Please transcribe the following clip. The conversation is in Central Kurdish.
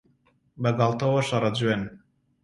بەگاڵتەوە شەڕە جوێن